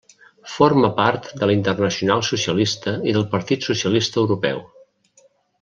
Forma part de la Internacional Socialista i del Partit Socialista Europeu.